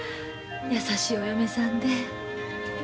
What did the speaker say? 優しいお嫁さんで。